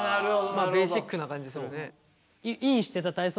まあベーシックな感じするね。